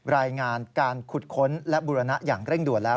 รายงานการขุดค้นและบุรณะอย่างเร่งด่วนแล้ว